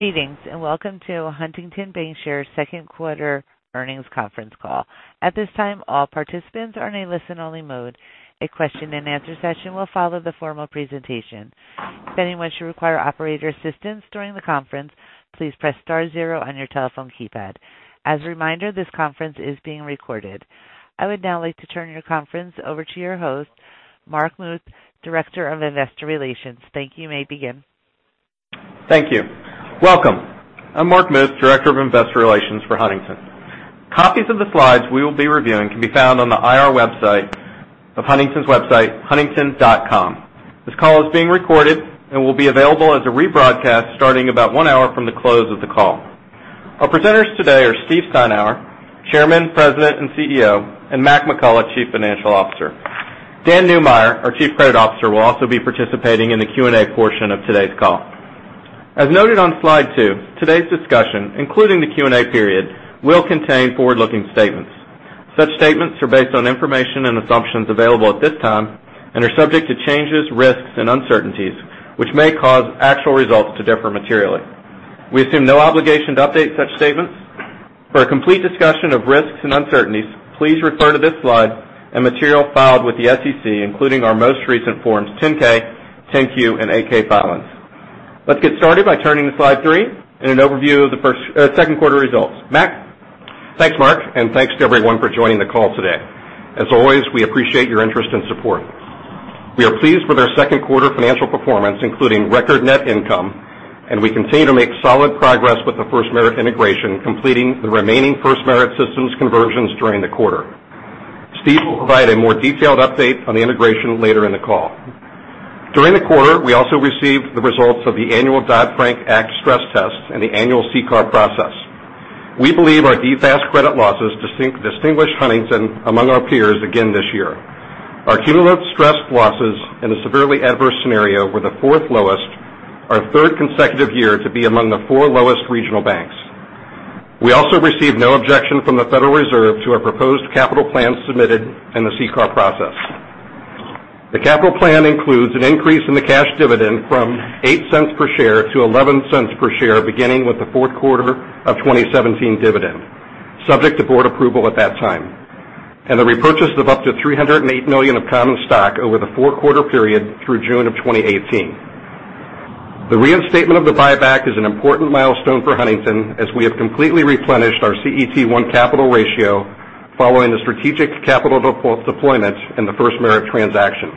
Greetings, welcome to Huntington Bancshares' second quarter earnings conference call. At this time, all participants are in a listen-only mode. A question-and-answer session will follow the formal presentation. If anyone should require operator assistance during the conference, please press star zero on your telephone keypad. As a reminder, this conference is being recorded. I would now like to turn your conference over to your host, Mark Muth, Director of Investor Relations. Thank you. You may begin. Thank you. Welcome. I'm Mark Muth, Director of Investor Relations for Huntington. Copies of the slides we will be reviewing can be found on the IR website of Huntington's website, huntington.com. This call is being recorded and will be available as a rebroadcast starting about one hour from the close of the call. Our presenters today are Steve Steinour, Chairman, President, and CEO, and Mac McCullough, Chief Financial Officer. Dan Neumeyer, our Chief Credit Officer, will also be participating in the Q&A portion of today's call. As noted on slide two, today's discussion, including the Q&A period, will contain forward-looking statements. Such statements are based on information and assumptions available at this time and are subject to changes, risks, and uncertainties which may cause actual results to differ materially. We assume no obligation to update such statements. For a complete discussion of risks and uncertainties, please refer to this slide and material filed with the SEC, including our most recent Forms 10-K, 10-Q, and 8-K filings. Let's get started by turning to slide three and an overview of the second quarter results. Mac? Thanks, Mark, thanks to everyone for joining the call today. As always, we appreciate your interest and support. We are pleased with our second quarter financial performance, including record net income, and we continue to make solid progress with the FirstMerit integration, completing the remaining FirstMerit systems conversions during the quarter. Steve will provide a more detailed update on the integration later in the call. During the quarter, we also received the results of the annual Dodd-Frank Act stress tests and the annual CCAR process. We believe our DFAST credit losses distinguished Huntington among our peers again this year. Our cumulative stress losses in a severely adverse scenario were the fourth lowest, our third consecutive year to be among the four lowest regional banks. We also received no objection from the Federal Reserve to our proposed capital plans submitted in the CCAR process. The capital plan includes an increase in the cash dividend from $0.08 per share to $0.11 per share, beginning with the fourth quarter of 2017 dividend, subject to board approval at that time, and the repurchase of up to $308 million of common stock over the four-quarter period through June of 2018. The reinstatement of the buyback is an important milestone for Huntington, as we have completely replenished our CET1 capital ratio following the strategic capital deployment in the FirstMerit transaction.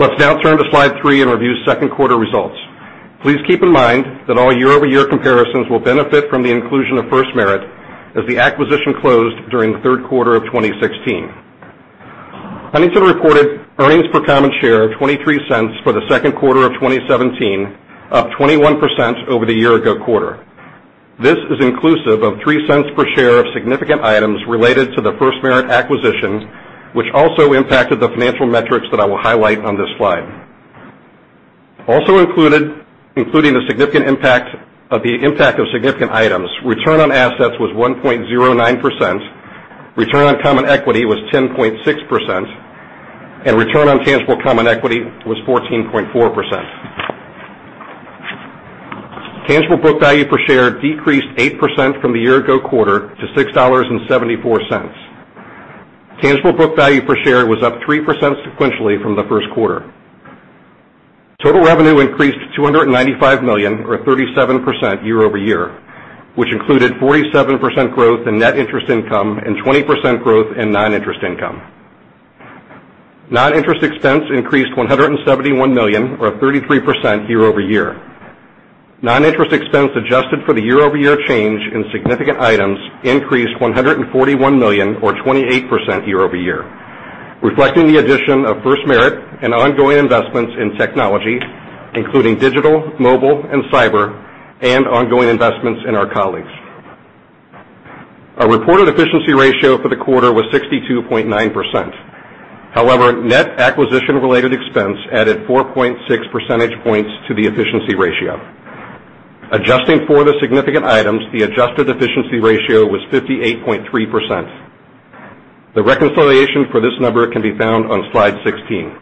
Let's now turn to slide three and review second quarter results. Please keep in mind that all year-over-year comparisons will benefit from the inclusion of FirstMerit, as the acquisition closed during the third quarter of 2016. Huntington reported earnings per common share of $0.23 for the second quarter of 2017, up 21% over the year ago quarter. This is inclusive of $0.03 per share of significant items related to the FirstMerit acquisition, which also impacted the financial metrics that I will highlight on this slide. Also included, including the impact of significant items, return on assets was 1.09%, return on common equity was 10.6%, and return on tangible common equity was 14.4%. Tangible book value per share decreased 8% from the year ago quarter to $6.74. Tangible book value per share was up 3% sequentially from the first quarter. Total revenue increased to $295 million, or 37% year-over-year, which included 47% growth in net interest income and 20% growth in non-interest income. Non-interest expense increased $171 million, or 33% year-over-year. Non-interest expense adjusted for the year-over-year change in significant items increased $141 million or 28% year-over-year, reflecting the addition of FirstMerit and ongoing investments in technology, including digital, mobile, and cyber, and ongoing investments in our colleagues. Our reported efficiency ratio for the quarter was 62.9%. However, net acquisition related expense added 4.6 percentage points to the efficiency ratio. Adjusting for the significant items, the adjusted efficiency ratio was 58.3%. The reconciliation for this number can be found on slide 16.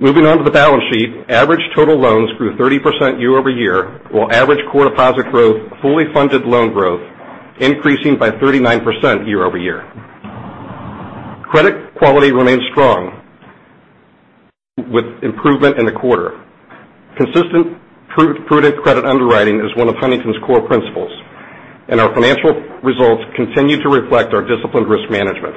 Moving on to the balance sheet, average total loans grew 30% year-over-year, while average core deposit growth fully funded loan growth, increasing by 39% year-over-year. Credit quality remains strong with improvement in the quarter. Consistent, prudent credit underwriting is one of Huntington's core principles, and our financial results continue to reflect our disciplined risk management.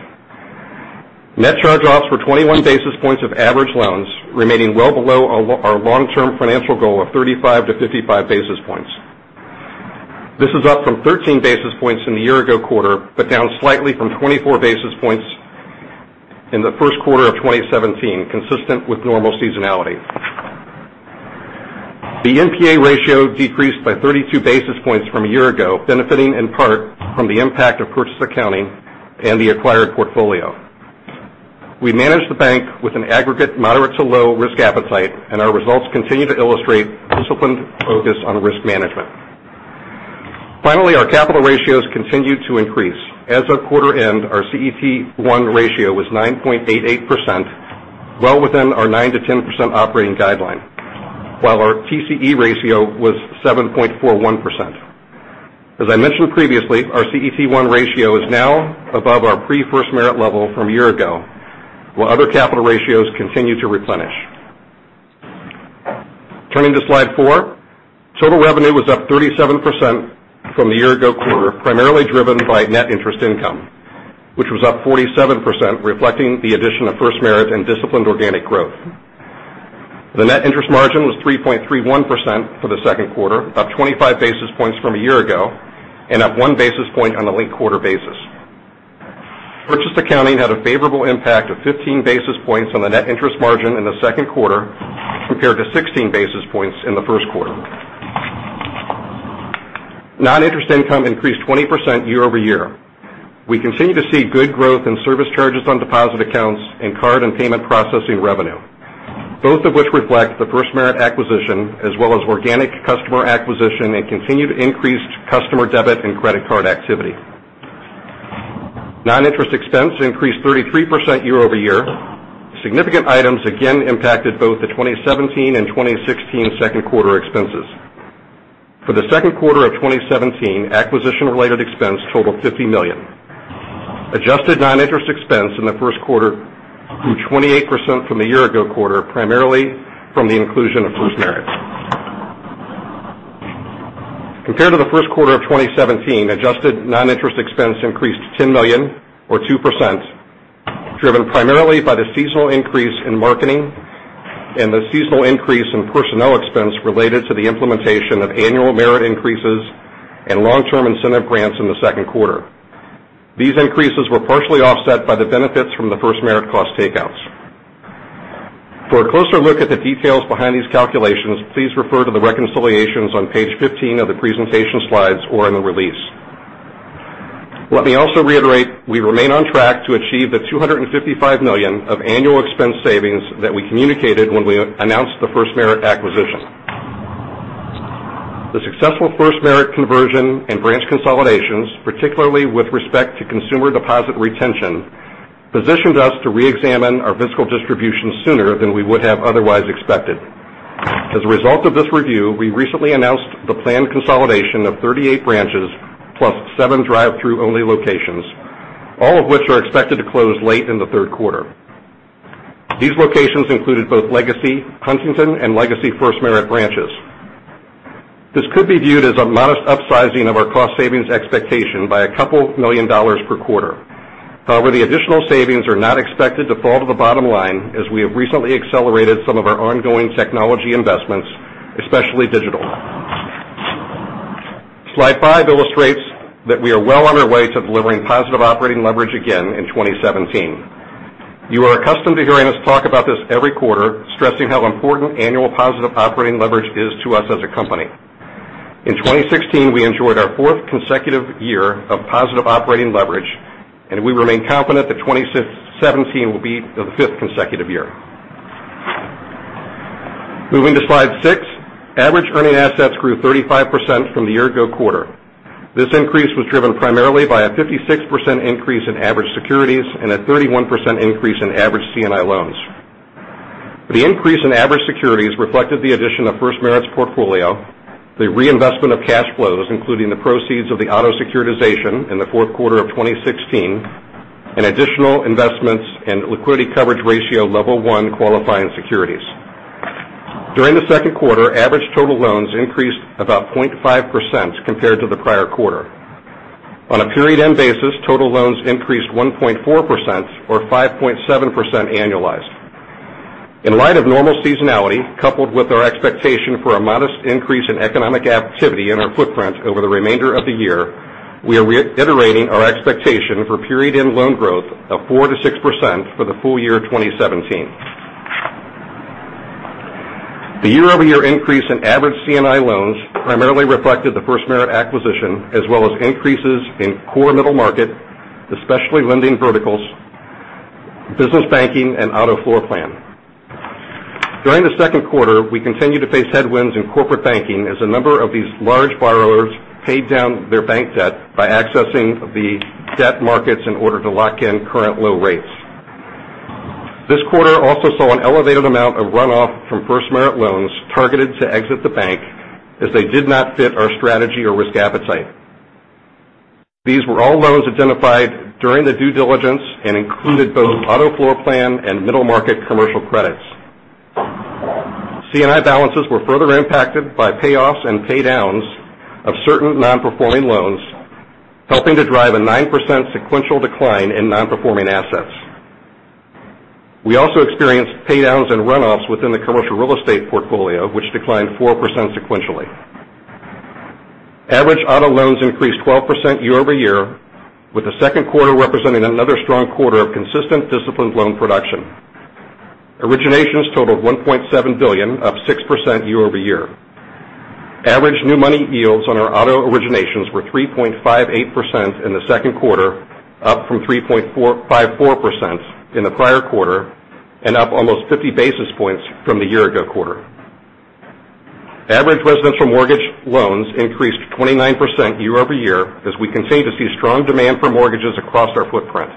Net charge-offs were 21 basis points of average loans, remaining well below our long-term financial goal of 35 to 55 basis points. This is up from 13 basis points in the year ago quarter, but down slightly from 24 basis points in the first quarter of 2017, consistent with normal seasonality. The NPA ratio decreased by 32 basis points from a year ago, benefiting in part from the impact of purchase accounting and the acquired portfolio. We manage the bank with an aggregate moderate to low risk appetite, and our results continue to illustrate disciplined focus on risk management. Finally, our capital ratios continued to increase. As of quarter end, our CET1 ratio was 9.88%, well within our 9%-10% operating guideline. While our TCE ratio was 7.41%. As I mentioned previously, our CET1 ratio is now above our pre-FirstMerit level from a year ago, while other capital ratios continue to replenish. Turning to Slide 4, total revenue was up 37% from the year ago quarter, primarily driven by net interest income, which was up 47%, reflecting the addition of FirstMerit and disciplined organic growth. The net interest margin was 3.31% for the second quarter, up 25 basis points from a year ago, and up one basis point on a linked-quarter basis. Purchase accounting had a favorable impact of 15 basis points on the net interest margin in the second quarter compared to 16 basis points in the first quarter. Non-interest income increased 20% year-over-year. We continue to see good growth in service charges on deposit accounts and card and payment processing revenue, both of which reflect the FirstMerit acquisition as well as organic customer acquisition and continued increased customer debit and credit card activity. Non-interest expense increased 33% year-over-year. Significant items again impacted both the 2017 and 2016 second quarter expenses. For the second quarter of 2017, acquisition-related expense totaled $50 million. Adjusted non-interest expense in the first quarter grew 28% from the year ago quarter, primarily from the inclusion of FirstMerit. Compared to the first quarter of 2017, adjusted non-interest expense increased $10 million or 2%, driven primarily by the seasonal increase in marketing and the seasonal increase in personnel expense related to the implementation of annual merit increases and long-term incentive grants in the second quarter. These increases were partially offset by the benefits from the FirstMerit cost takeouts. For a closer look at the details behind these calculations, please refer to the reconciliations on page 15 of the presentation slides or in the release. Let me also reiterate, we remain on track to achieve the $255 million of annual expense savings that we communicated when we announced the FirstMerit acquisition. The successful FirstMerit conversion and branch consolidations, particularly with respect to consumer deposit retention, positioned us to reexamine our physical distribution sooner than we would have otherwise expected. As a result of this review, we recently announced the planned consolidation of 38 branches plus seven drive-thru only locations, all of which are expected to close late in the third quarter. These locations included both legacy Huntington and legacy FirstMerit branches. This could be viewed as a modest upsizing of our cost savings expectation by a couple million dollars per quarter. The additional savings are not expected to fall to the bottom line, as we have recently accelerated some of our ongoing technology investments, especially digital. Slide five illustrates that we are well on our way to delivering positive operating leverage again in 2017. You are accustomed to hearing us talk about this every quarter, stressing how important annual positive operating leverage is to us as a company. In 2016, we enjoyed our fourth consecutive year of positive operating leverage, and we remain confident that 2017 will be the fifth consecutive year. Moving to Slide six, average earning assets grew 35% from the year ago quarter. This increase was driven primarily by a 56% increase in average securities and a 31% increase in average C&I loans. The increase in average securities reflected the addition of FirstMerit's portfolio, the reinvestment of cash flows, including the proceeds of the auto securitization in the fourth quarter of 2016, and additional investments in liquidity coverage ratio Level 1 qualifying securities. During the second quarter, average total loans increased about 0.5% compared to the prior quarter. On a period end basis, total loans increased 1.4% or 5.7% annualized. In light of normal seasonality, coupled with our expectation for a modest increase in economic activity in our footprint over the remainder of the year, we are reiterating our expectation for period end loan growth of 4%-6% for the full year 2017. The year-over-year increase in average C&I loans primarily reflected the FirstMerit acquisition as well as increases in core middle market, especially lending verticals, business banking and auto floor plan. During the second quarter, we continued to face headwinds in corporate banking as a number of these large borrowers paid down their bank debt by accessing the debt markets in order to lock in current low rates. This quarter also saw an elevated amount of runoff from FirstMerit loans targeted to exit the bank as they did not fit our strategy or risk appetite. These were all loans identified during the due diligence and included both auto floor plan and middle market commercial credits. C&I balances were further impacted by payoffs and pay downs of certain non-performing loans, helping to drive a 9% sequential decline in non-performing assets. We also experienced pay downs and runoffs within the commercial real estate portfolio, which declined 4% sequentially. Average auto loans increased 12% year-over-year, with the second quarter representing another strong quarter of consistent disciplined loan production. Originations totaled $1.7 billion, up 6% year-over-year. Average new money yields on our auto originations were 3.58% in the second quarter, up from 3.54% in the prior quarter. Up almost 50 basis points from the year ago quarter. Average residential mortgage loans increased 29% year-over-year, as we continue to see strong demand for mortgages across our footprint.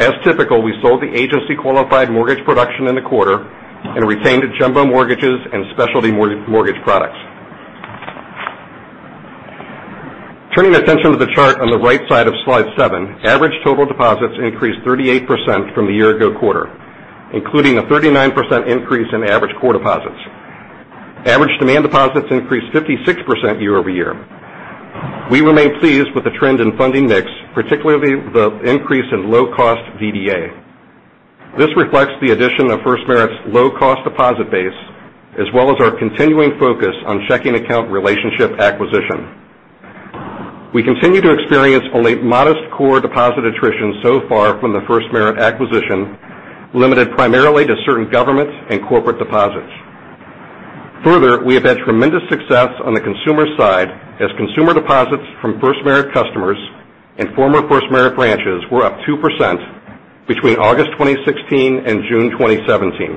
As typical, we sold the agency-qualified mortgage production in the quarter, and retained the jumbo mortgages and specialty mortgage products. Turning attention to the chart on the right side of slide seven, average total deposits increased 38% from the year ago quarter, including a 39% increase in average core deposits. Average demand deposits increased 56% year-over-year. We remain pleased with the trend in funding mix, particularly the increase in low-cost DDA. This reflects the addition of FirstMerit's low-cost deposit base, as well as our continuing focus on checking account relationship acquisition. We continue to experience only modest core deposit attrition so far from the FirstMerit acquisition, limited primarily to certain government and corporate deposits. Further, we have had tremendous success on the consumer side, as consumer deposits from FirstMerit customers and former FirstMerit branches were up 2% between August 2016 and June 2017.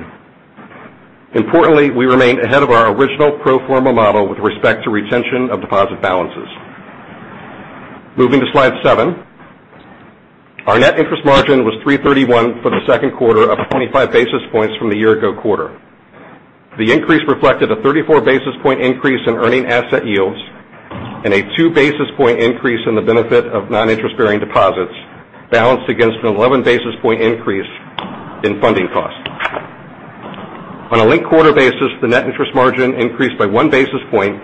Importantly, we remain ahead of our original pro forma model with respect to retention of deposit balances. Moving to slide seven. Our net interest margin was 331 for the second quarter of 25 basis points from the year ago quarter. The increase reflected a 34 basis point increase in earning asset yields, and a two basis point increase in the benefit of non-interest-bearing deposits, balanced against an 11 basis point increase in funding costs. On a linked-quarter basis, the net interest margin increased by one basis point,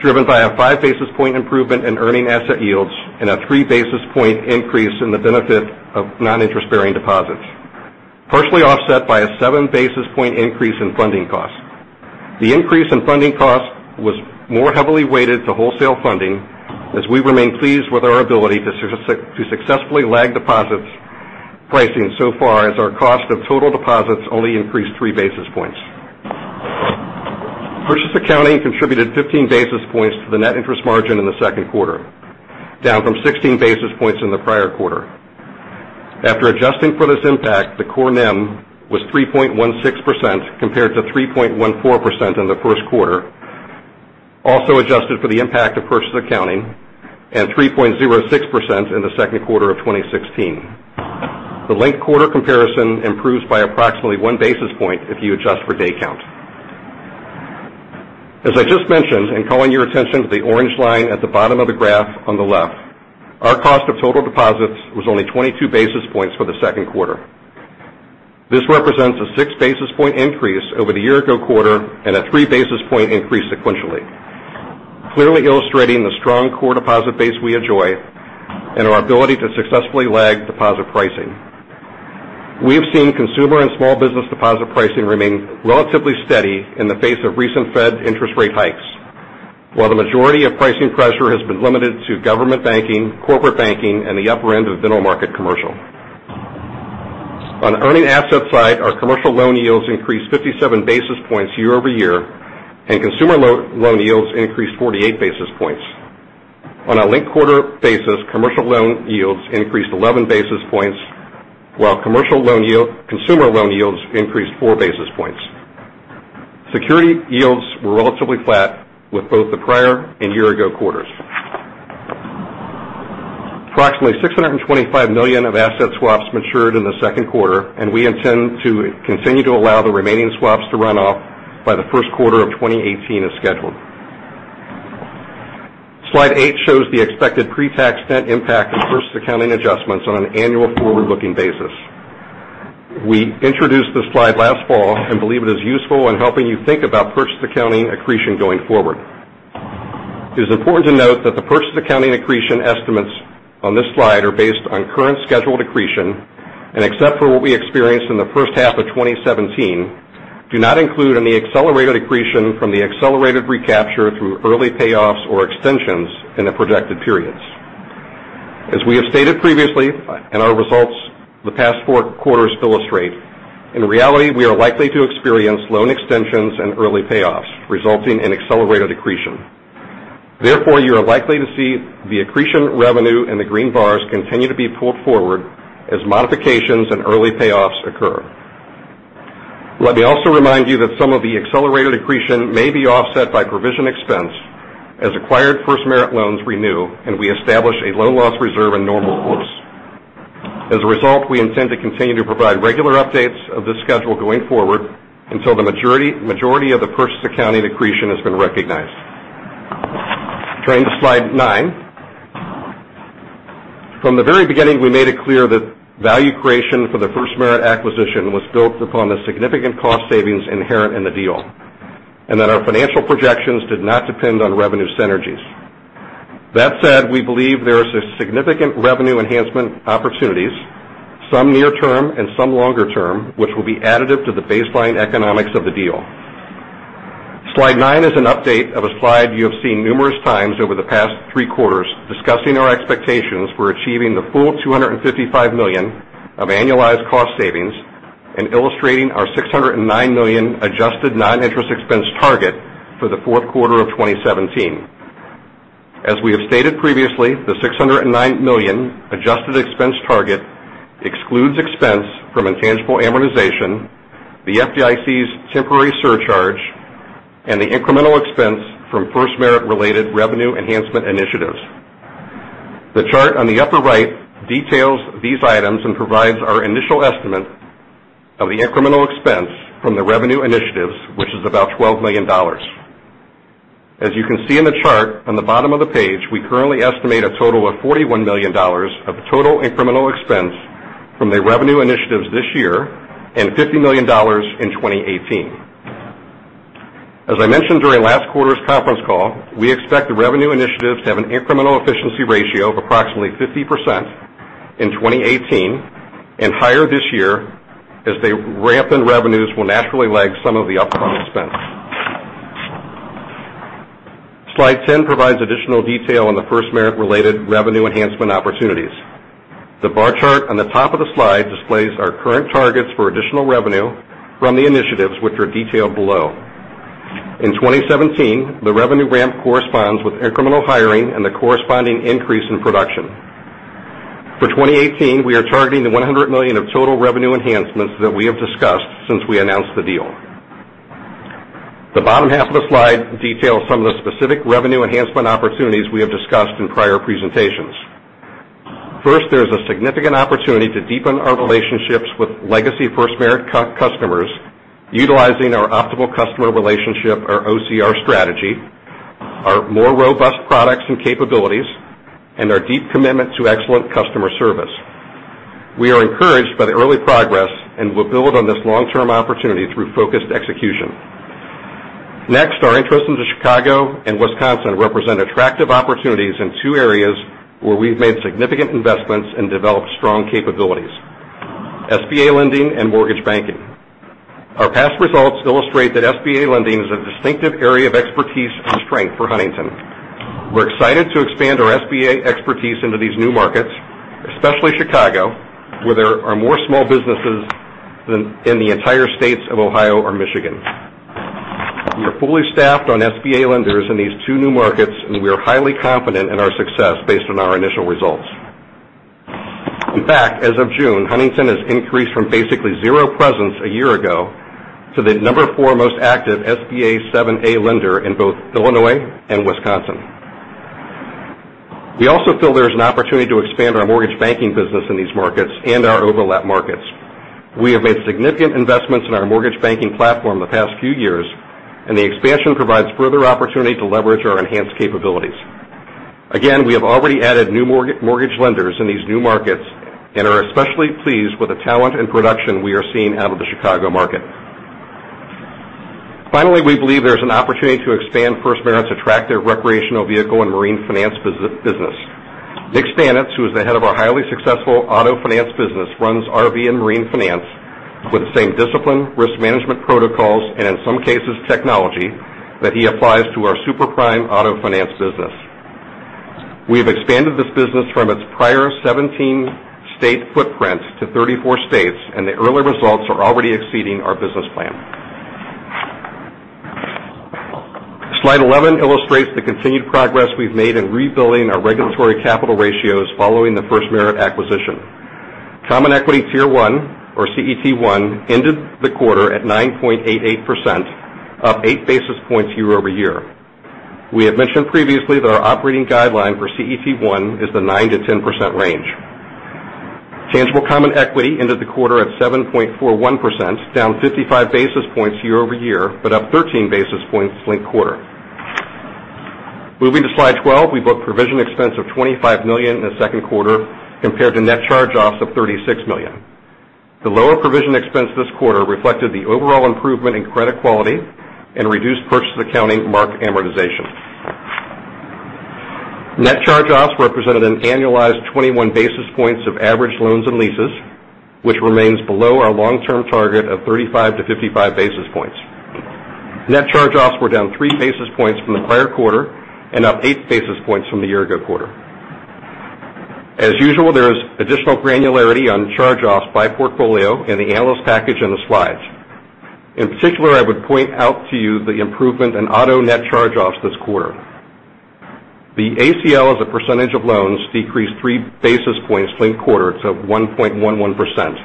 driven by a five basis point improvement in earning asset yields and a three basis point increase in the benefit of non-interest-bearing deposits, partially offset by a seven basis point increase in funding costs. The increase in funding costs was more heavily weighted to wholesale funding, as we remain pleased with our ability to successfully lag deposits pricing so far as our cost of total deposits only increased three basis points. Purchase accounting contributed 15 basis points to the net interest margin in the second quarter, down from 16 basis points in the prior quarter. After adjusting for this impact, the core NIM was 3.16% compared to 3.14% in the first quarter, also adjusted for the impact of purchase accounting, and 3.06% in the second quarter of 2016. The linked-quarter comparison improves by approximately one basis point if you adjust for day count. As I just mentioned, in calling your attention to the orange line at the bottom of the graph on the left, our cost of total deposits was only 22 basis points for the second quarter. This represents a six basis point increase over the year ago quarter and a three basis point increase sequentially. Clearly illustrating the strong core deposit base we enjoy and our ability to successfully lag deposit pricing. We have seen consumer and small business deposit pricing remain relatively steady in the face of recent Fed interest rate hikes, while the majority of pricing pressure has been limited to government banking, corporate banking, and the upper end of middle-market commercial. On earning assets side, our commercial loan yields increased 57 basis points year-over-year, and consumer loan yields increased 48 basis points. On a linked-quarter basis, commercial loan yields increased 11 basis points, while consumer loan yields increased four basis points. Security yields were relatively flat with both the prior and year-ago quarters. Approximately $625 million of asset swaps matured in the second quarter, and we intend to continue to allow the remaining swaps to run off by the first quarter of 2018 as scheduled. Slide eight shows the expected pre-tax net impact of purchase accounting adjustments on an annual forward-looking basis. We introduced this slide last fall and believe it is useful in helping you think about purchase accounting accretion going forward. It is important to note that the purchase accounting accretion estimates on this slide are based on current scheduled accretion, and except for what we experienced in the first half of 2017, do not include any accelerated accretion from the accelerated recapture through early payoffs or extensions in the projected periods. As we have stated previously, and our results the past four quarters illustrate, in reality, we are likely to experience loan extensions and early payoffs, resulting in accelerated accretion. Therefore, you are likely to see the accretion revenue in the green bars continue to be pulled forward as modifications and early payoffs occur. Let me also remind you that some of the accelerated accretion may be offset by provision expense as acquired FirstMerit loans renew and we establish a low-loss reserve in normal course. As a result, we intend to continue to provide regular updates of this schedule going forward until the majority of the purchase accounting accretion has been recognized. Turning to slide nine. From the very beginning, we made it clear that value creation for the FirstMerit acquisition was built upon the significant cost savings inherent in the deal, and that our financial projections did not depend on revenue synergies. That said, we believe there is a significant revenue enhancement opportunities, some near term and some longer term, which will be additive to the baseline economics of the deal. Slide nine is an update of a slide you have seen numerous times over the past three quarters discussing our expectations for achieving the full $255 million of annualized cost savings and illustrating our $609 million adjusted non-interest expense target for the fourth quarter of 2017. As we have stated previously, the $609 million adjusted expense target excludes expense from intangible amortization, the FDIC's temporary surcharge, and the incremental expense from FirstMerit related revenue enhancement initiatives. The chart on the upper right details these items and provides our initial estimate of the incremental expense from the revenue initiatives, which is about $12 million. As you can see in the chart on the bottom of the page, we currently estimate a total of $41 million of total incremental expense from the revenue initiatives this year, and $50 million in 2018. As I mentioned during last quarter's conference call, we expect the revenue initiatives to have an incremental efficiency ratio of approximately 50% in 2018 and higher this year, as the ramp in revenues will naturally lag some of the upfront expense. Slide 10 provides additional detail on the FirstMerit related revenue enhancement opportunities. The bar chart on the top of the slide displays our current targets for additional revenue from the initiatives, which are detailed below. In 2017, the revenue ramp corresponds with incremental hiring and the corresponding increase in production. For 2018, we are targeting the $100 million of total revenue enhancements that we have discussed since we announced the deal. The bottom half of the slide details some of the specific revenue enhancement opportunities we have discussed in prior presentations. First, there's a significant opportunity to deepen our relationships with legacy FirstMerit customers, utilizing our optimal customer relationship or OCR strategy, our more robust products and capabilities, and our deep commitment to excellent customer service. We are encouraged by the early progress and will build on this long-term opportunity through focused execution. Next, our interests into Chicago and Wisconsin represent attractive opportunities in two areas where we've made significant investments and developed strong capabilities, SBA lending and mortgage banking. Our past results illustrate that SBA lending is a distinctive area of expertise and strength for Huntington. We're excited to expand our SBA expertise into these new markets, especially Chicago, where there are more small businesses than in the entire states of Ohio or Michigan. We are fully staffed on SBA lenders in these two new markets, we are highly confident in our success based on our initial results. In fact, as of June, Huntington has increased from basically zero presence a year ago to the number four most active SBA 7 lender in both Illinois and Wisconsin. We also feel there's an opportunity to expand our mortgage banking business in these markets and our overlap markets. We have made significant investments in our mortgage banking platform the past few years, and the expansion provides further opportunity to leverage our enhanced capabilities. Again, we have already added new mortgage lenders in these new markets and are especially pleased with the talent and production we are seeing out of the Chicago market. We believe there's an opportunity to expand FirstMerit's attractive recreational vehicle and marine finance business. Nick Stanutz, who is the head of our highly successful auto finance business, runs RV and Marine Finance with the same discipline, risk management protocols, and in some cases, technology, that he applies to our super prime auto finance business. We have expanded this business from its prior 17 state footprints to 34 states, and the early results are already exceeding our business plan. Slide 11 illustrates the continued progress we've made in rebuilding our regulatory capital ratios following the FirstMerit acquisition. Common Equity Tier 1, or CET1, ended the quarter at 9.88%, up eight basis points year-over-year. We had mentioned previously that our operating guideline for CET1 is the 9%-10% range. Tangible common equity ended the quarter at 7.41%, down 55 basis points year-over-year, but up 13 basis points linked-quarter. Moving to slide 12, we booked provision expense of $25 million in the second quarter compared to net charge-offs of $36 million. The lower provision expense this quarter reflected the overall improvement in credit quality and reduced purchase accounting mark amortization. Net charge-offs represented an annualized 21 basis points of average loans and leases, which remains below our long-term target of 35-55 basis points. Net charge-offs were down three basis points from the prior quarter and up eight basis points from the year-ago quarter. As usual, there is additional granularity on charge-offs by portfolio in the analyst package in the slides. In particular, I would point out to you the improvement in auto net charge-offs this quarter. The ACL as a percentage of loans decreased three basis points linked-quarter to 1.11%,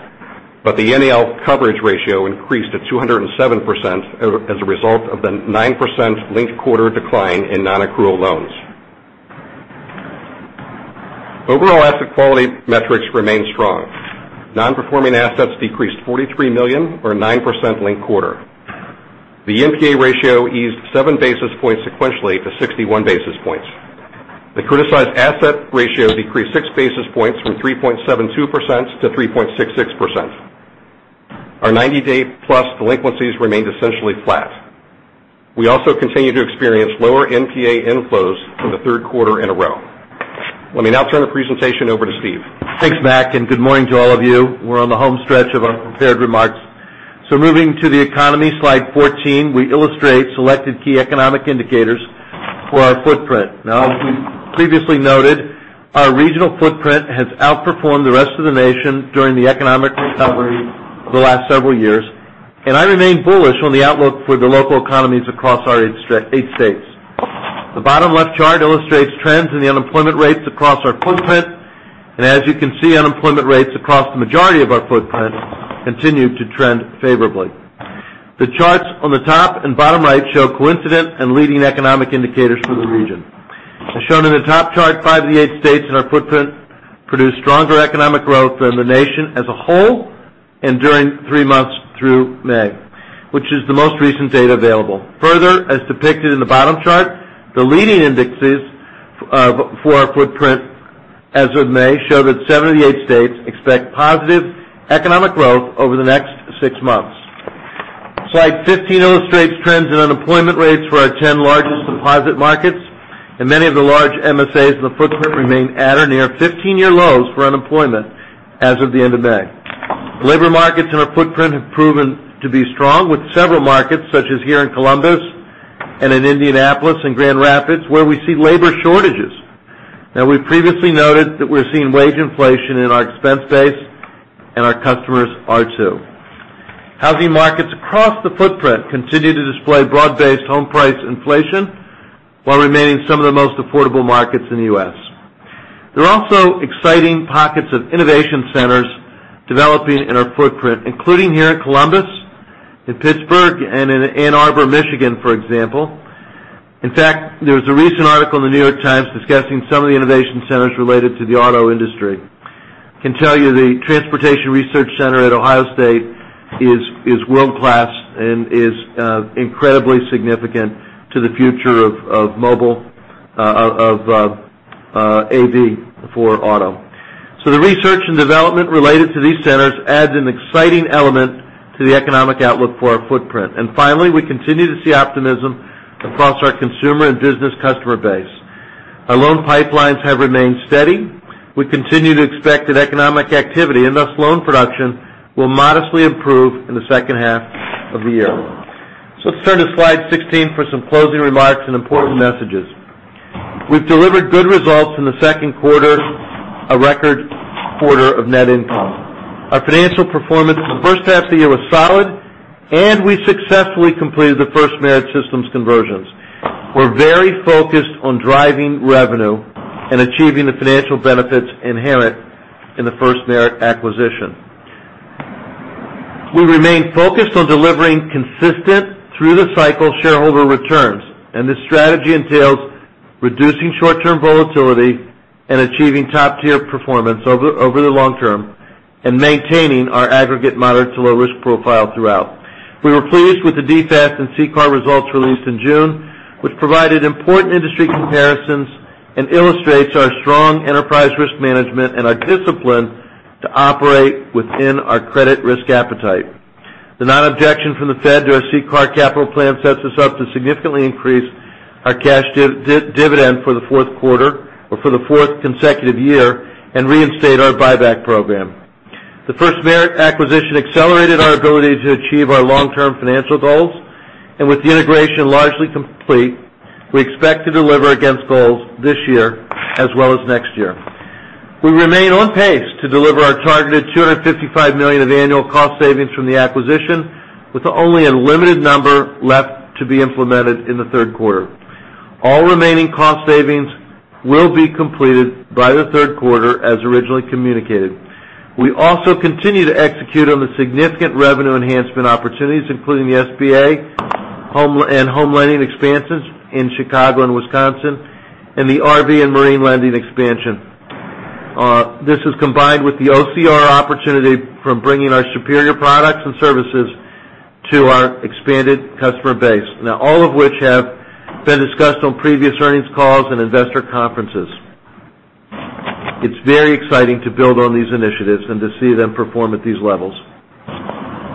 but the NAL coverage ratio increased to 207% as a result of the 9% linked-quarter decline in non-accrual loans. Overall asset quality metrics remain strong. Non-performing assets decreased $43 million or 9% linked-quarter. The NPA ratio eased seven basis points sequentially to 61 basis points. The criticized asset ratio decreased six basis points from 3.72%-3.66%. Our 90-day plus delinquencies remained essentially flat. We also continue to experience lower NPA inflows for the third quarter in a row. Let me now turn the presentation over to Steve. Thanks, Mac, and good morning to all of you. We're on the home stretch of our prepared remarks. Moving to the economy, slide 14, we illustrate selected key economic indicators for our footprint. As we've previously noted, our regional footprint has outperformed the rest of the nation during the economic recovery over the last several years. I remain bullish on the outlook for the local economies across our eight states. The bottom left chart illustrates trends in the unemployment rates across our footprint. As you can see, unemployment rates across the majority of our footprint continue to trend favorably. The charts on the top and bottom right show coincident and leading economic indicators for the region. As shown in the top chart, five of the eight states in our footprint produced stronger economic growth than the nation as a whole during three months through May, which is the most recent data available. Further, as depicted in the bottom chart, the leading indexes for our footprint as of May show that seven of the eight states expect positive economic growth over the next six months. Slide 15 illustrates trends in unemployment rates for our 10 largest deposit markets and many of the large MSAs in the footprint remain at or near 15-year lows for unemployment as of the end of May. Labor markets in our footprint have proven to be strong with several markets, such as here in Columbus and in Indianapolis and Grand Rapids, where we see labor shortages. We've previously noted that we're seeing wage inflation in our expense base, and our customers are too. Housing markets across the footprint continue to display broad-based home price inflation while remaining some of the most affordable markets in the U.S. There are also exciting pockets of innovation centers developing in our footprint, including here in Columbus, in Pittsburgh, and in Ann Arbor, Michigan, for example. In fact, there was a recent article in The New York Times discussing some of the innovation centers related to the auto industry. I can tell you the Transportation Research Center at Ohio State is world-class and is incredibly significant to the future of AV for auto. The research and development related to these centers adds an exciting element to the economic outlook for our footprint. Finally, we continue to see optimism across our consumer and business customer base. Our loan pipelines have remained steady. We continue to expect that economic activity, and thus loan production, will modestly improve in the second half of the year. Let's turn to slide 16 for some closing remarks and important messages. We've delivered good results in the second quarter, a record quarter of net income. Our financial performance for the first half of the year was solid, and we successfully completed the FirstMerit systems conversions. We're very focused on driving revenue and achieving the financial benefits inherent in the FirstMerit acquisition. We remain focused on delivering consistent through-the-cycle shareholder returns, and this strategy entails reducing short-term volatility and achieving top-tier performance over the long term and maintaining our aggregate moderate to low risk profile throughout. We were pleased with the DFAST and CCAR results released in June, which provided important industry comparisons and illustrates our strong enterprise risk management and our discipline to operate within our credit risk appetite. The non-objection from the Fed to our CCAR capital plan sets us up to significantly increase our cash dividend for the fourth quarter or for the fourth consecutive year and reinstate our buyback program. The FirstMerit acquisition accelerated our ability to achieve our long-term financial goals, and with the integration largely complete, we expect to deliver against goals this year as well as next year. We remain on pace to deliver our targeted $255 million of annual cost savings from the acquisition, with only a limited number left to be implemented in the third quarter. All remaining cost savings will be completed by the third quarter as originally communicated. We also continue to execute on the significant revenue enhancement opportunities, including the SBA and home lending expansions in Chicago and Wisconsin and the RV and marine lending expansion. This is combined with the OCR opportunity from bringing our superior products and services to our expanded customer base. All of which have been discussed on previous earnings calls and investor conferences. It's very exciting to build on these initiatives and to see them perform at these levels.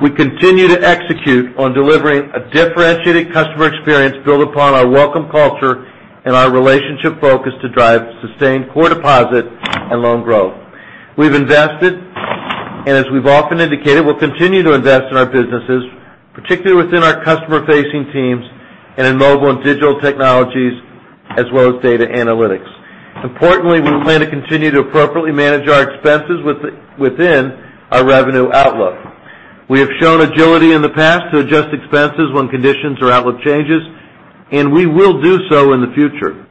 We continue to execute on delivering a differentiated customer experience built upon our welcome culture and our relationship focus to drive sustained core deposit and loan growth. We've invested, and as we've often indicated, we'll continue to invest in our businesses, particularly within our customer-facing teams and in mobile and digital technologies, as well as data analytics. Importantly, we plan to continue to appropriately manage our expenses within our revenue outlook. We have shown agility in the past to adjust expenses when conditions or outlook changes. We will do so in the future.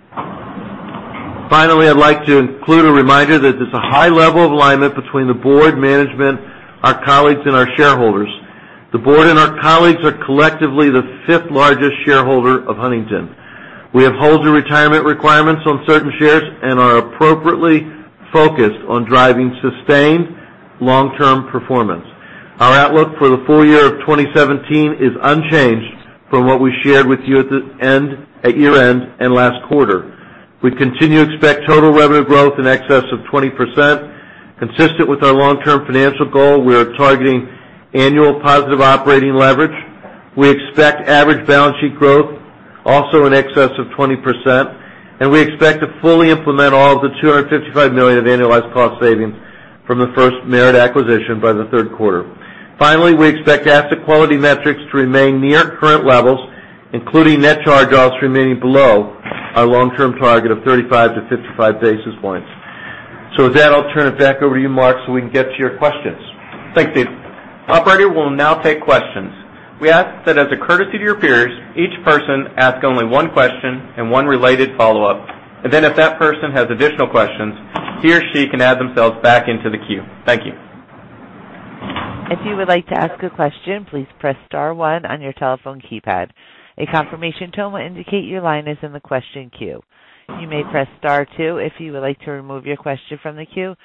Finally, I'd like to include a reminder that there's a high level of alignment between the board, management, our colleagues, and our shareholders. The board and our colleagues are collectively the fifth largest shareholder of Huntington. We have holder retirement requirements on certain shares and are appropriately focused on driving sustained long-term performance. Our outlook for the full year of 2017 is unchanged from what we shared with you at year-end and last quarter. We continue to expect total revenue growth in excess of 20%. Consistent with our long-term financial goal, we are targeting annual positive operating leverage. We expect average balance sheet growth also in excess of 20%. We expect to fully implement all of the $255 million of annualized cost savings from the FirstMerit acquisition by the third quarter. Finally, we expect asset quality metrics to remain near current levels, including net charge-offs remaining below our long-term target of 35 to 55 basis points. With that, I'll turn it back over to you, Mark, so we can get to your questions. Thanks, Steve. Operator, we'll now take questions. We ask that as a courtesy to your peers, each person ask only one question and one related follow-up. If that person has additional questions, he or she can add themselves back into the queue. Thank you. If you would like to ask a question, please press star one on your telephone keypad. A confirmation tone will indicate your line is in the question queue. You may press star two if you would like to remove your question from the queue.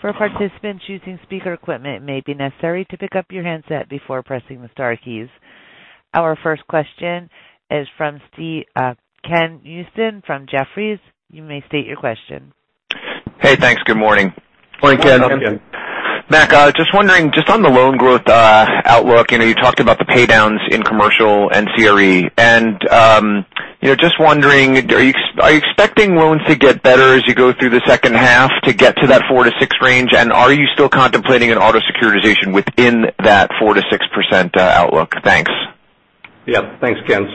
For participants using speaker equipment, it may be necessary to pick up your handset before pressing the star keys. Our first question is from Ken Usdin from Jefferies. You may state your question. Hey, thanks. Good morning. Morning, Ken. Morning, Ken. Mac, just wondering, just on the loan growth outlook, you talked about the paydowns in commercial and CRE, just wondering, are you expecting loans to get better as you go through the second half to get to that 4%-6% range? Are you still contemplating an auto securitization within that 4%-6% outlook? Thanks. Yeah. Thanks, Ken.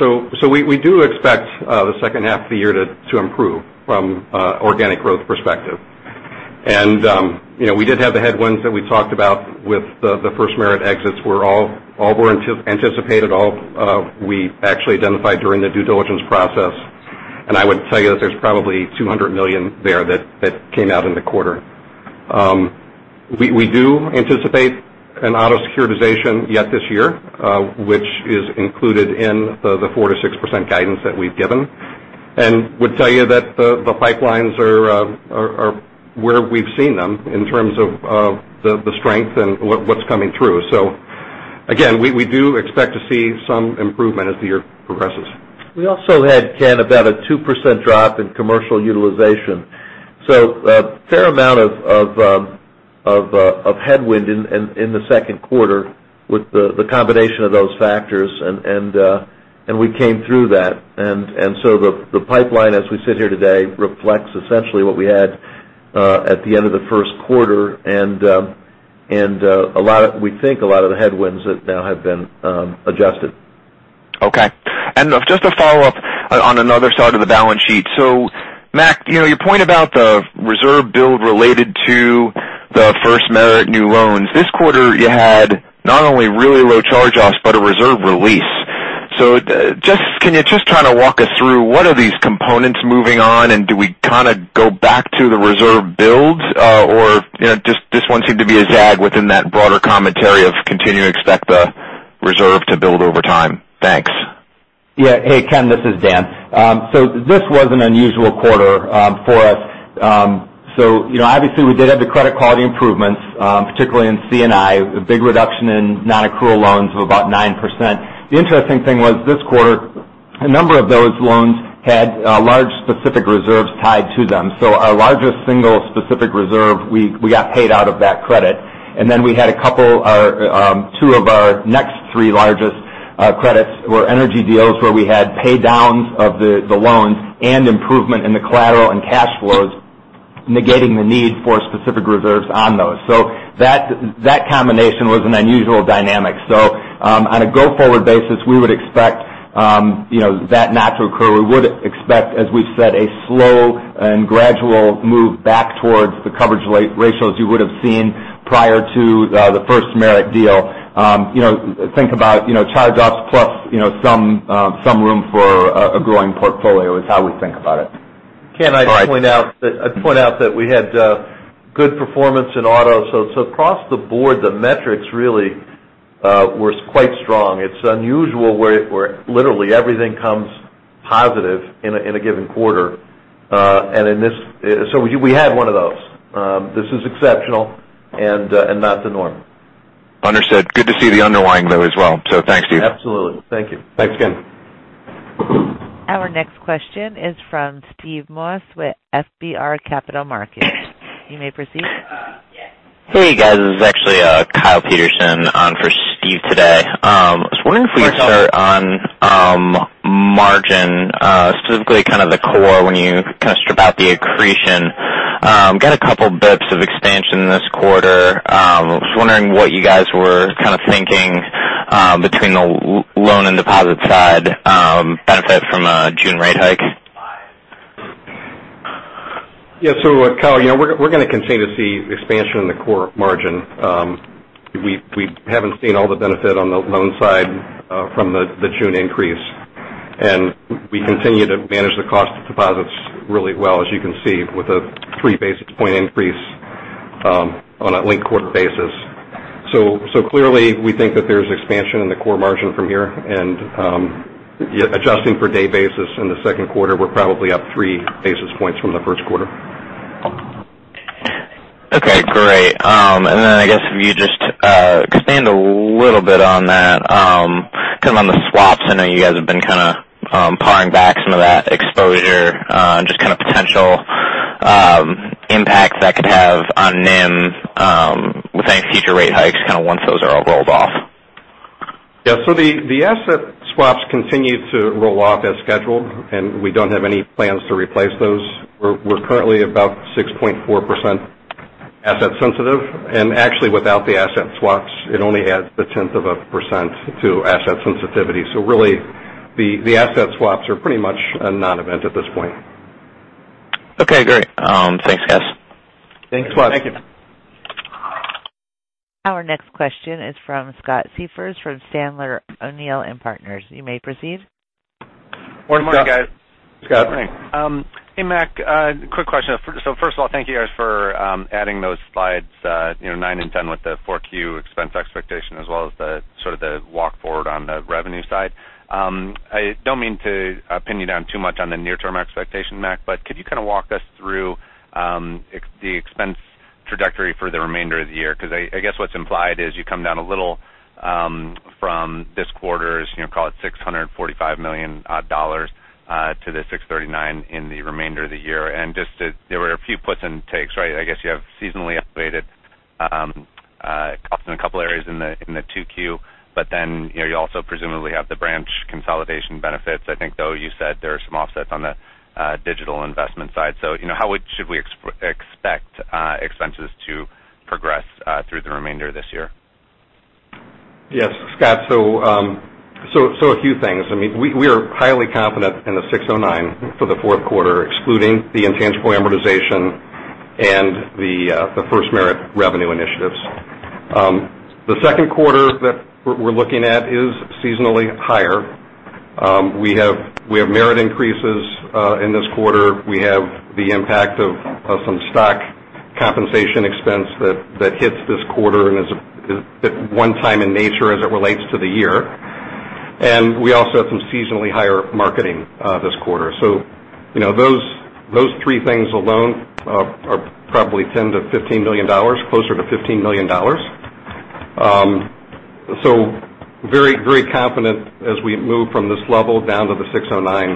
We do expect the second half of the year to improve from organic growth perspective. We did have the headwinds that we talked about with the FirstMerit exits, all were anticipated. We actually identified during the due diligence process, and I would tell you that there's probably $200 million there that came out in the quarter. We do anticipate an auto securitization yet this year, which is included in the 4%-6% guidance that we've given, and would tell you that the pipelines are where we've seen them in terms of the strength and what's coming through. Again, we do expect to see some improvement as the year progresses. We also had, Ken, about a 2% drop in commercial utilization. A fair amount of headwind in the second quarter with the combination of those factors, and we came through that. The pipeline, as we sit here today, reflects essentially what we had at the end of the first quarter. We think a lot of the headwinds that now have been adjusted. Okay. Just a follow-up on another side of the balance sheet. Mac, your point about the reserve build related to the FirstMerit new loans. This quarter, you had not only really low charge-offs, but a reserve release. Can you just kind of walk us through what are these components moving on, and do we kind of go back to the reserve builds? Or does this one seem to be a zag within that broader commentary of continuing to expect the reserve to build over time? Thanks. Yeah. Hey, Ken, this is Dan. This was an unusual quarter for us. Obviously we did have the credit quality improvements, particularly in C&I, a big reduction in non-accrual loans of about 9%. The interesting thing was this quarter, a number of those loans had large specific reserves tied to them. Our largest single specific reserve, we got paid out of that credit. We had two of our next three largest credits were energy deals where we had paydowns of the loans and improvement in the collateral and cash flows, negating the need for specific reserves on those. That combination was an unusual dynamic. On a go-forward basis, we would expect that not to occur. We would expect, as we've said, a slow and gradual move back towards the coverage ratios you would've seen prior to the FirstMerit deal. Think about charge-offs plus some room for a growing portfolio is how we think about it. All right. Ken, I'd point out that we had good performance in auto. Across the board, the metrics really were quite strong. It's unusual where literally everything comes positive in a given quarter. We had one of those. This is exceptional and not the norm. Understood. Good to see the underlying though as well. Thanks, Steve. Absolutely. Thank you. Thanks, Ken. Our next question is from Steve Moss with FBR Capital Markets. You may proceed. Hey, guys. This is actually Kyle Peterson on for Steve today. Of course, Kyle. I was wondering if we could start on margin, specifically kind of the core when you kind of strip out the accretion. Got a couple basis points of expansion this quarter. I was wondering what you guys were kind of thinking between the loan and deposit side benefit from a June rate hike. Kyle, we're going to continue to see expansion in the core margin. We haven't seen all the benefit on the loan side from the June increase. We continue to manage the cost of deposits really well as you can see with a three basis point increase on a linked quarter basis. Clearly we think that there's expansion in the core margin from here and adjusting for day basis in the second quarter, we're probably up three basis points from the first quarter. Okay, great. Then I guess if you just expand a little bit on that, kind of on the swaps. I know you guys have been kind of paring back some of that exposure, just kind of potential impacts that could have on NIM with any future rate hikes kind of once those are all rolled off. The asset swaps continue to roll off as scheduled, we don't have any plans to replace those. We're currently about 6.4% asset sensitive. Actually, without the asset swaps, it only adds a tenth of a percent to asset sensitivity. Really, the asset swaps are pretty much a non-event at this point. Okay, great. Thanks, guys. Thanks, Wes. Thank you. Our next question is from Scott Siefers from Sandler O'Neill & Partners. You may proceed. Good morning, guys. Scott. Good morning. Hey, Mac. Quick question. First of all, thank you guys for adding those slides, nine and 10 with the 4Q expense expectation, as well as sort of the walk forward on the revenue side. I don't mean to pin you down too much on the near-term expectation, Mac, but could you kind of walk us through the expense trajectory for the remainder of the year? Because I guess what's implied is you come down a little from this quarter's, call it $645 million, to the $639 in the remainder of the year. There were a few puts and takes, right? I guess you have seasonally weighted costs in a couple areas in the 2Q, but then you also presumably have the branch consolidation benefits. I think, though, you said there are some offsets on the digital investment side. How should we expect expenses to progress through the remainder of this year? Yes, Scott. A few things. We are highly confident in the $609 for the fourth quarter, excluding the intangible amortization and the FirstMerit revenue initiatives. The second quarter that we're looking at is seasonally higher. We have merit increases in this quarter. We have the impact of some stock compensation expense that hits this quarter and is one time in nature as it relates to the year. We also have some seasonally higher marketing this quarter. Those three things alone are probably $10 million to $15 million, closer to $15 million. Very confident as we move from this level down to the $609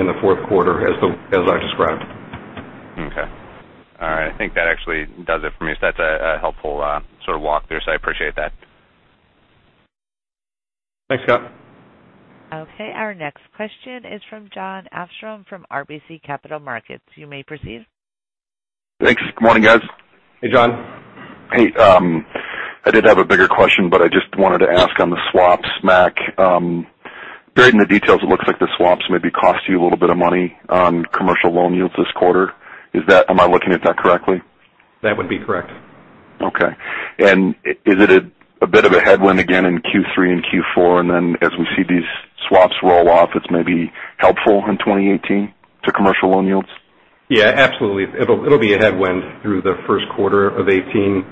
in the fourth quarter as I described. Okay. All right. I think that actually does it for me. That's a helpful sort of walk through, I appreciate that. Thanks, Scott. Okay, our next question is from Jon Arfstrom from RBC Capital Markets. You may proceed. Thanks. Good morning, guys. Hey, Jon. Hey. I did have a bigger question, but I just wanted to ask on the swaps, Mac. Buried in the details, it looks like the swaps maybe cost you a little bit of money on commercial loan yields this quarter. Am I looking at that correctly? That would be correct. Okay. Is it a bit of a headwind again in Q3 and Q4, then as we see these swaps roll off, it's maybe helpful in 2018 to commercial loan yields? Yeah, absolutely. It'll be a headwind through the first quarter of 2018,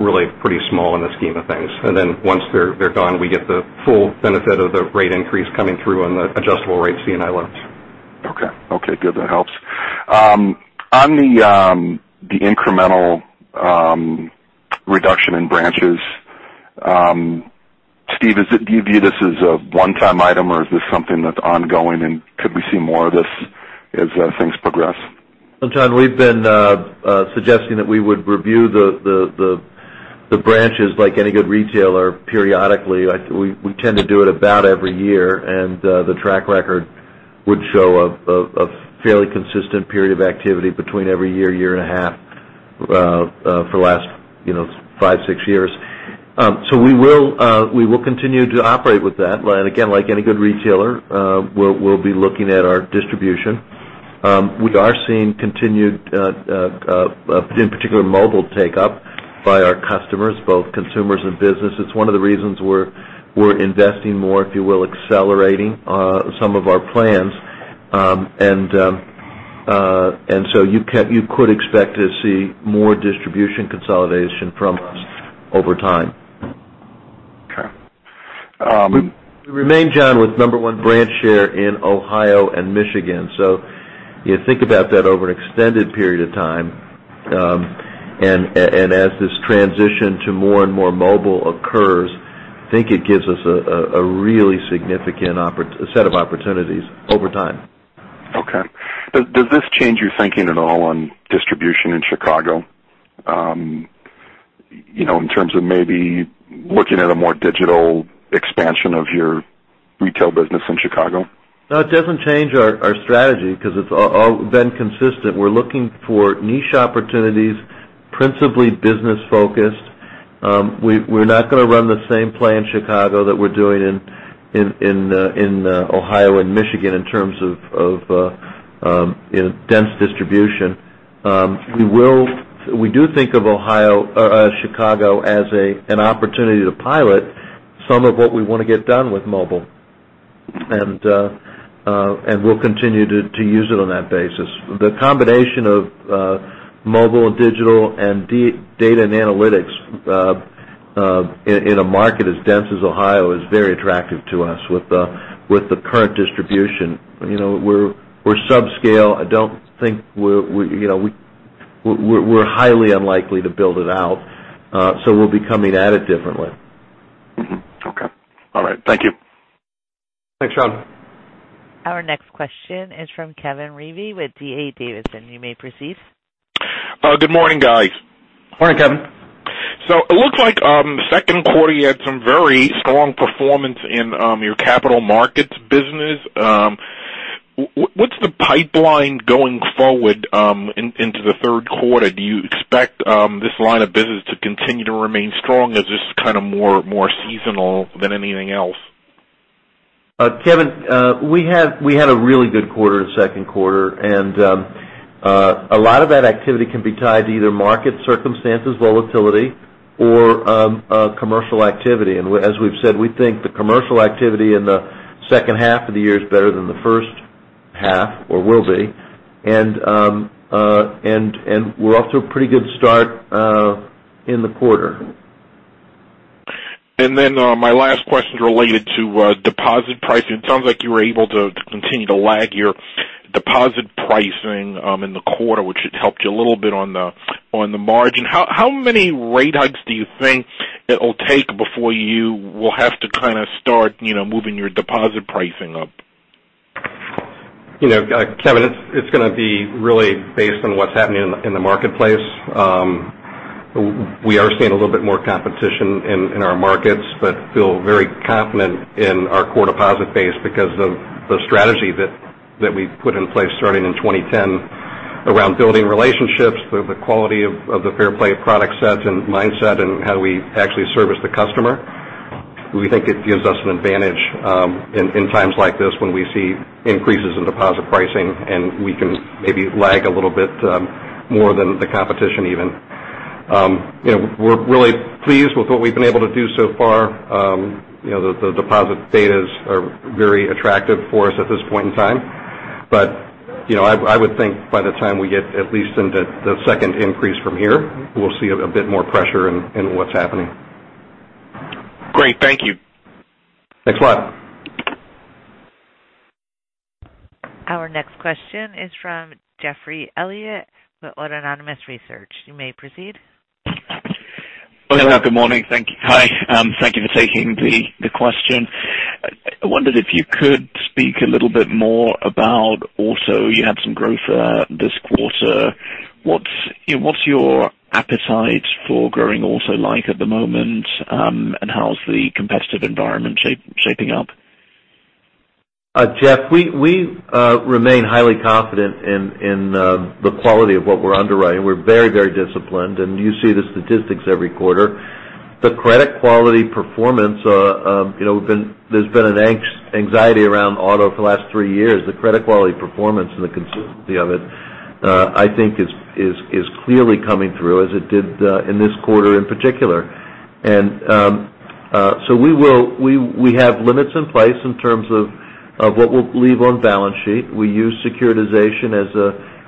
really pretty small in the scheme of things. Then once they're gone, we get the full benefit of the rate increase coming through on the adjustable rate C&I loans. Okay. Good. That helps. On the incremental reduction in branches, Steve, do you view this as a one-time item, or is this something that's ongoing, could we see more of this as things progress? Jon, we've been suggesting that we would review the branches, like any good retailer, periodically. We tend to do it about every year, the track record would show a fairly consistent period of activity between every year and a half, for the last five, six years. We will continue to operate with that. Again, like any good retailer, we'll be looking at our distribution. We are seeing continued, in particular, mobile take-up by our customers, both consumers and businesses. It's one of the reasons we're investing more, if you will, accelerating some of our plans. So you could expect to see more distribution consolidation from us over time. Okay. We remain, Jon, with number one branch share in Ohio and Michigan. You think about that over an extended period of time, and as this transition to more and more mobile occurs, I think it gives us a really significant set of opportunities over time. Okay. Does this change your thinking at all on distribution in Chicago? In terms of maybe looking at a more digital expansion of your retail business in Chicago? No, it doesn't change our strategy because it's all been consistent. We're looking for niche opportunities, principally business-focused. We're not going to run the same play in Chicago that we're doing in Ohio and Michigan in terms of dense distribution. We do think of Chicago as an opportunity to pilot some of what we want to get done with mobile. We'll continue to use it on that basis. The combination of mobile and digital and data and analytics in a market as dense as Ohio is very attractive to us with the current distribution. We're sub-scale. We're highly unlikely to build it out. We'll be coming at it differently. Mm-hmm. Okay. All right. Thank you. Thanks, John. Our next question is from Kevin Reevey with D.A. Davidson. You may proceed. Good morning, guys. Morning, Kevin. It looks like second quarter you had some very strong performance in your capital markets business. What's the pipeline going forward into the third quarter? Do you expect this line of business to continue to remain strong? Is this kind of more seasonal than anything else? Kevin, we had a really good quarter the second quarter. A lot of that activity can be tied to either market circumstances, volatility or commercial activity. As we've said, we think the commercial activity in the second half of the year is better than the first half or will be. We're off to a pretty good start in the quarter. My last question related to deposit pricing. It sounds like you were able to continue to lag your deposit pricing in the quarter, which it helped you a little bit on the margin. How many rate hikes do you think it'll take before you will have to kind of start moving your deposit pricing up? Kevin, it's going to be really based on what's happening in the marketplace. We are seeing a little bit more competition in our markets, but feel very confident in our core deposit base because of the strategy that we've put in place starting in 2010 around building relationships with the quality of the Fair Play product set and mindset and how we actually service the customer. We think it gives us an advantage in times like this when we see increases in deposit pricing, and we can maybe lag a little bit more than the competition, even. We're really pleased with what we've been able to do so far. The deposit betas are very attractive for us at this point in time. I would think by the time we get at least into the second increase from here, we'll see a bit more pressure in what's happening. Great. Thank you. Thanks a lot. Our next question is from Geoffrey Elliott with Autonomous Research. You may proceed. Hello, good morning. Hi, thank you for taking the question. I wondered if you could speak a little bit more about auto. You had some growth this quarter. What's your appetite for growing auto like at the moment, and how's the competitive environment shaping up? Geoff, we remain highly confident in the quality of what we're underwriting. We're very disciplined, and you see the statistics every quarter. The credit quality performance. There's been an anxiety around auto for the last three years. The credit quality performance and the consistency of it, I think is clearly coming through as it did in this quarter in particular. We have limits in place in terms of what we'll leave on balance sheet. We use securitization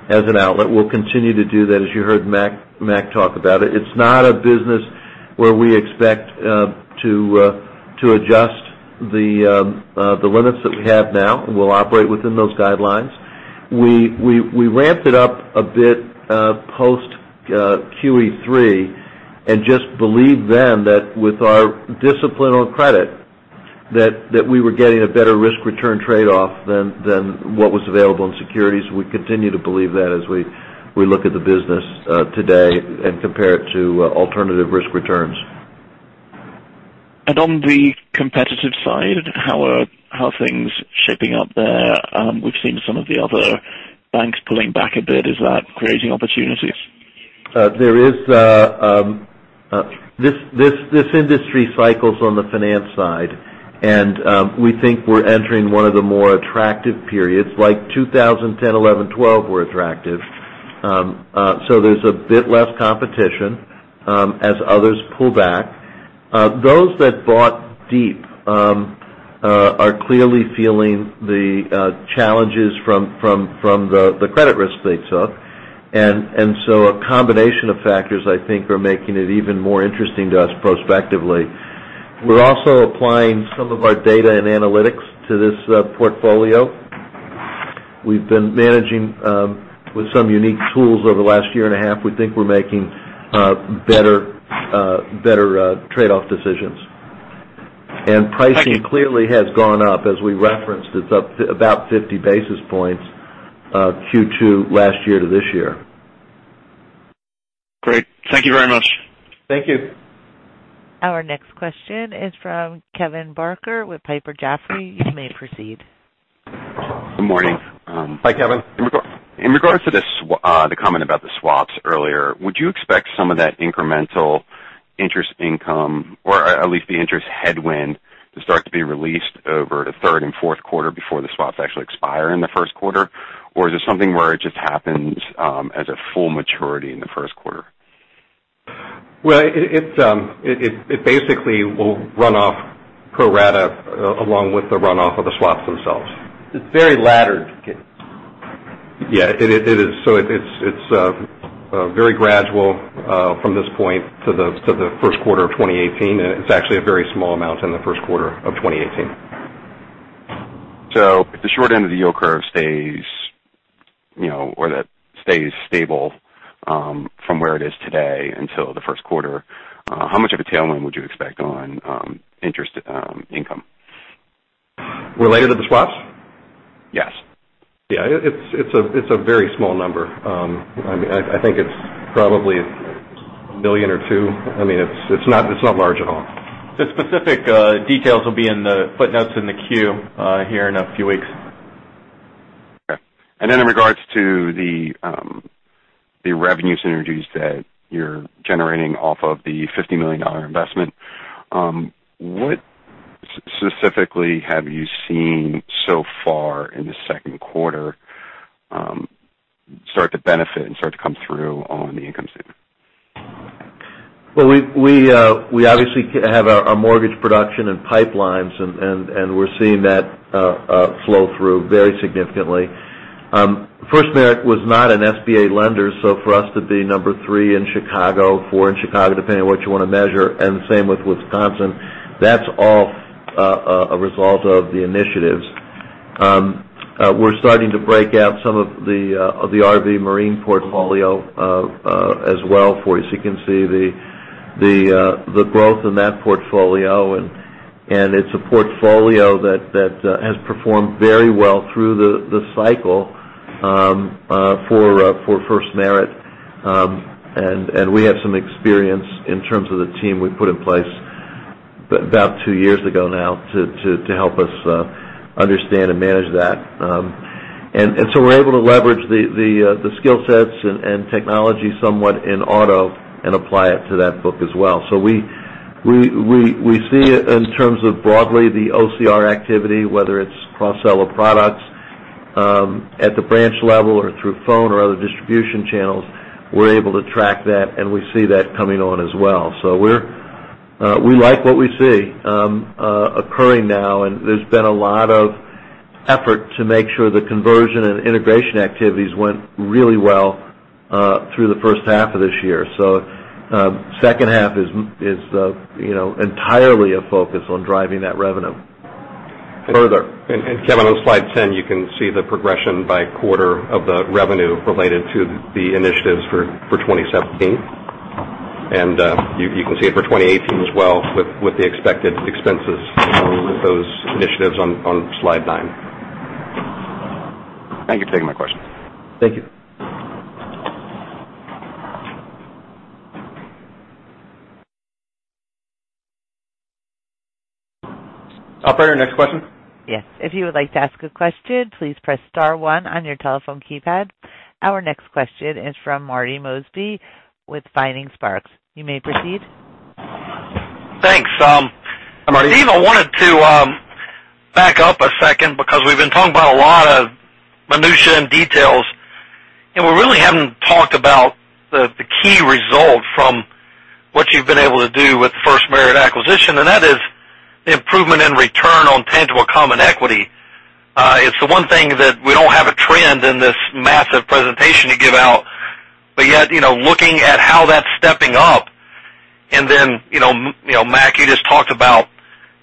as an outlet. We'll continue to do that. As you heard Mac talk about it. It's not a business where we expect to adjust the limits that we have now, and we'll operate within those guidelines. We ramped it up a bit post QE3 and just believed then that with our discipline on credit that we were getting a better risk return trade-off than what was available in securities. We continue to believe that as we look at the business today and compare it to alternative risk returns. On the competitive side, how are things shaping up there? We've seen some of the other banks pulling back a bit. Is that creating opportunities? This industry cycles on the finance side, we think we're entering one of the more attractive periods, like 2010, 2011, 2012 were attractive. There's a bit less competition as others pull back. Those that bought deep are clearly feeling the challenges from the credit risk they took. A combination of factors, I think, are making it even more interesting to us prospectively. We're also applying some of our data and analytics to this portfolio. We've been managing with some unique tools over the last year and a half. We think we're making better trade-off decisions. Pricing clearly has gone up as we referenced. It's up about 50 basis points Q2 last year to this year. Great. Thank you very much. Thank you. Our next question is from Kevin Barker with Piper Jaffray. You may proceed. Good morning. Hi, Kevin. In regards to the comment about the swaps earlier, would you expect some of that incremental interest income, or at least the interest headwind, to start to be released over the third and fourth quarter before the swaps actually expire in the first quarter? Or is this something where it just happens as a full maturity in the first quarter? Well, it basically will run off pro rata along with the runoff of the swaps themselves. It's very laddered. Yeah, it is. It's very gradual from this point to the first quarter of 2018. It's actually a very small amount in the first quarter of 2018. If the short end of the yield curve stays stable from where it is today until the first quarter, how much of a tailwind would you expect on interest income? Related to the swaps? Yes. Yeah. It's a very small number. I think it's probably $1 million or $2. It's not large at all. The specific details will be in the footnotes in the Form 10-Q here in a few weeks. Okay. In regards to the revenue synergies that you're generating off of the $50 million investment, what specifically have you seen so far in the second quarter start to benefit and start to come through on the income statement? Well, we obviously have our mortgage production and pipelines. We're seeing that flow through very significantly. FirstMerit was not an SBA lender, for us to be number 3 in Chicago, 4 in Chicago, depending on what you want to measure, and same with Wisconsin, that's all a result of the initiatives. We're starting to break out some of the RV marine portfolio as well for you, so you can see the growth in that portfolio. It's a portfolio that has performed very well through the cycle for FirstMerit. We have some experience in terms of the team we put in place about two years ago now to help us understand and manage that. We're able to leverage the skill sets and technology somewhat in auto and apply it to that book as well. We see it in terms of broadly the OCR activity, whether it's cross-sell of products at the branch level or through phone or other distribution channels. We're able to track that. We see that coming on as well. We like what we see occurring now. There's been a lot of effort to make sure the conversion and integration activities went really well through the first half of this year. Second half is entirely a focus on driving that revenue further. Kevin, on slide 10, you can see the progression by quarter of the revenue related to the initiatives for 2017. You can see it for 2018 as well with the expected expenses with those initiatives on slide nine. Thank you for taking my question. Thank you. Operator, next question. Yes. If you would like to ask a question, please press * one on your telephone keypad. Our next question is from Marty Mosby with Vining Sparks. You may proceed. Thanks. Hi, Marty. Steve, I wanted to back up a second because we've been talking about a lot of minutia and details, we really haven't talked about the key result from what you've been able to do with the FirstMerit acquisition, and that is the improvement in return on tangible common equity. It's the one thing that we don't have a trend in this massive presentation to give out, but yet, looking at how that's stepping up and then, Mac, you just talked about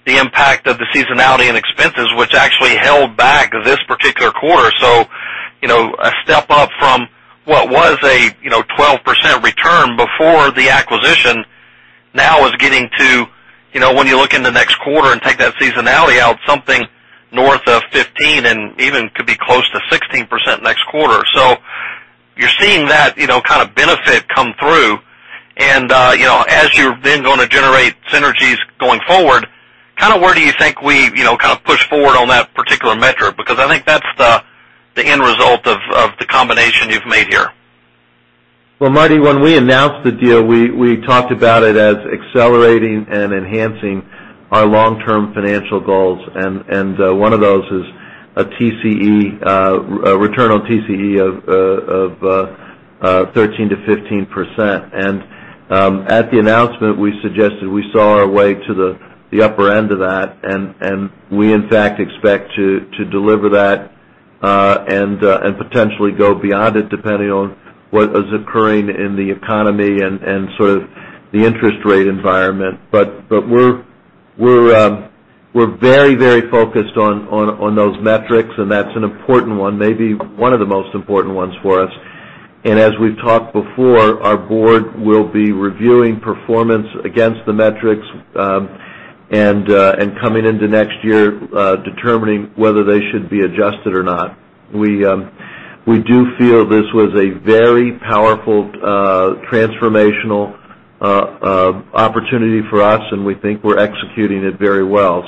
the impact of the seasonality and expenses, which actually held back this particular quarter. A step up from what was a 12% return before the acquisition now is getting to, when you look in the next quarter and take that seasonality out, something north of 15% and even could be close to 16% next quarter. You're seeing that kind of benefit come through. As you're then going to generate synergies going forward, where do you think we push forward on that particular metric? Because I think that's the end result of the combination you've made here. Well, Marty, when we announced the deal, we talked about it as accelerating and enhancing our long-term financial goals. One of those is a return on TCE of 13%-15%. At the announcement, we suggested we saw our way to the upper end of that, we in fact expect to deliver that and potentially go beyond it depending on what is occurring in the economy and sort of the interest rate environment. We're very focused on those metrics, and that's an important one, maybe one of the most important ones for us. As we've talked before, our board will be reviewing performance against the metrics and coming into next year determining whether they should be adjusted or not. We do feel this was a very powerful transformational opportunity for us, and we think we're executing it very well.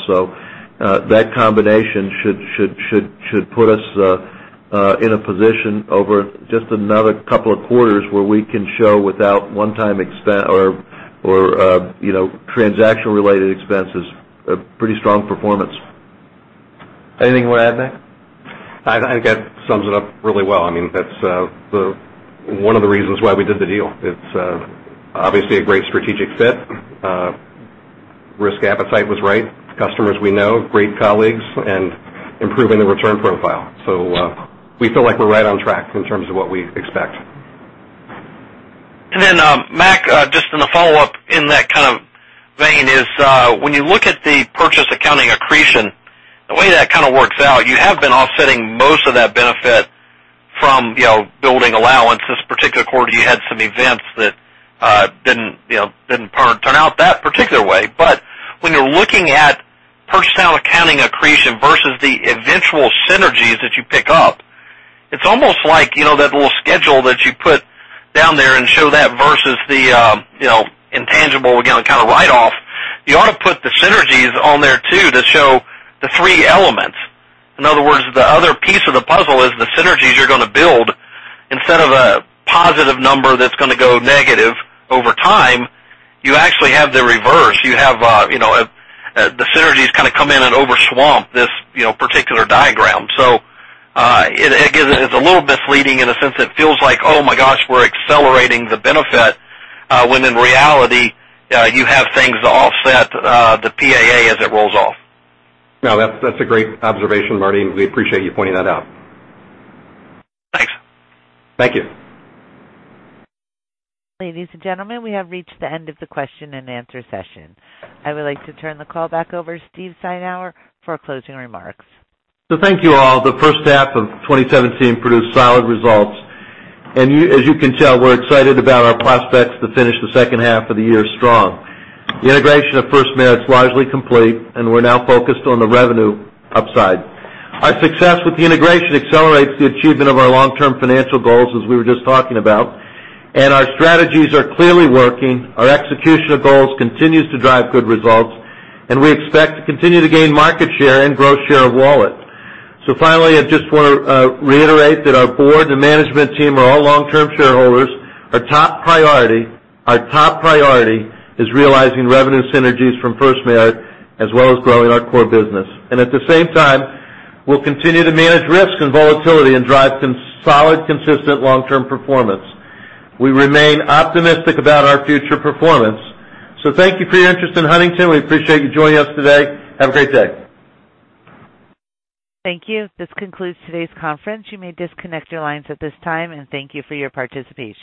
That combination should put us in a position over just another couple of quarters where we can show without one-time or transaction-related expenses, a pretty strong performance. Anything you want to add, Mac? I think that sums it up really well. That's one of the reasons why we did the deal. It's obviously a great strategic fit. Risk appetite was right. Customers we know, great colleagues, and improving the return profile. We feel like we're right on track in terms of what we expect. Mac, just in a follow-up in that kind of vein is when you look at the purchase accounting accretion, the way that kind of works out, you have been offsetting most of that benefit, some building allowance. This particular quarter, you had some events that didn't turn out that particular way. When you're looking at purchase accounting accretion versus the eventual synergies that you pick up, it's almost like that little schedule that you put down there and show that versus the intangible account write-off. You ought to put the synergies on there too to show the three elements. In other words, the other piece of the puzzle is the synergies you're going to build instead of a positive number that's going to go negative over time. You actually have the reverse. You have the synergies kind of come in and overswamp this particular diagram. It's a little misleading in the sense it feels like, oh, my gosh, we're accelerating the benefit, when in reality, you have things to offset the PAA as it rolls off. No, that's a great observation, Marty, and we appreciate you pointing that out. Thanks. Thank you. Ladies and gentlemen, we have reached the end of the question and answer session. I would like to turn the call back over to Steve Steinour for closing remarks. Thank you all. The first half of 2017 produced solid results. As you can tell, we're excited about our prospects to finish the second half of the year strong. The integration of FirstMerit is largely complete, and we're now focused on the revenue upside. Our success with the integration accelerates the achievement of our long-term financial goals, as we were just talking about. Our strategies are clearly working. Our execution of goals continues to drive good results, and we expect to continue to gain market share and grow share of wallet. Finally, I just want to reiterate that our board and management team are all long-term shareholders. Our top priority is realizing revenue synergies from FirstMerit, as well as growing our core business. At the same time, we'll continue to manage risk and volatility and drive solid, consistent long-term performance. We remain optimistic about our future performance. Thank you for your interest in Huntington. We appreciate you joining us today. Have a great day. Thank you. This concludes today's conference. You may disconnect your lines at this time, and thank you for your participation.